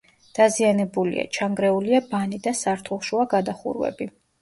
დაზიანებულია, ჩანგრეულია ბანი და სართულშუა გადახურვები.